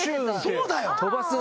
そうだよ！